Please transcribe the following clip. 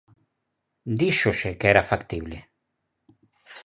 Díxose que era factible.